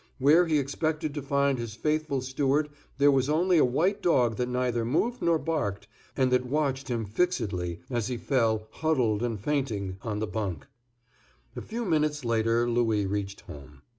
Where he expected to find his faithful steward, there was only a white dog that neither moved nor barked, and that watched him fixedly as he fell, huddled and fainting, on the bunk. A few minutes later Louis reached home.